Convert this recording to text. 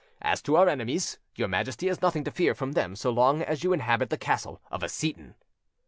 As to our enemies, your Majesty has nothing to fear from them so long as you inhabit the castle of a Seyton."